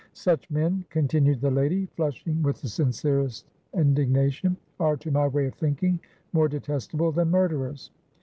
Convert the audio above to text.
"Such men," continued the lady, flushing with the sincerest indignation "are to my way of thinking more detestable than murderers."